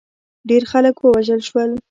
ډېر خلک ووژل شول.